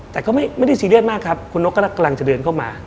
แต่ก็ไม่ได้ซีเรียสมากครับคุณนกกำลังจะเดินเข้ามา